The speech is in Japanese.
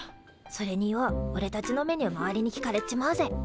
それにようおれたちのメニュー周りに聞かれっちまうぜ。